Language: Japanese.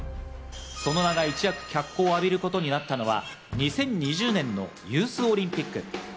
その名が一躍脚光を浴びることになったのは２０２０年のユースオリンピック。